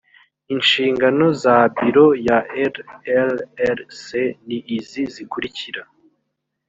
inshingano za biro ya rlrc ni izi zikurikira